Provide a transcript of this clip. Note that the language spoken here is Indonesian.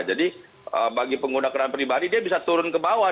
bagi pengguna kendaraan pribadi dia bisa turun ke bawah